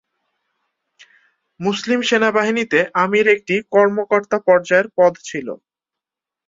মুসলিম সেনাবাহিনীতে আমির একটি কর্মকর্তা পর্যায়ের পদ ছিল।